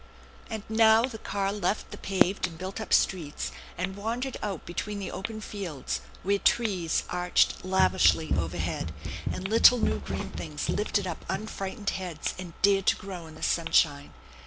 And now the car left the paved and built up streets, and wandered out between the open fields, where trees arched lavishly overhead, and little new green things lifted up unfrighteneti heads, and dared to grow in the sunshine.